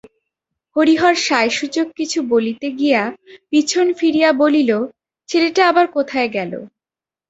হরিহর সায়সূচক কিছু বলিতে গিয়া পিছন ফিরিয়া বলিল, ছেলেটা আবার কোথায় গেল?